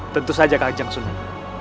tentu saja kajang sunan